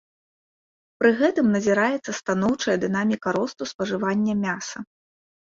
Пры гэтым назіраецца станоўчая дынаміка росту спажывання мяса.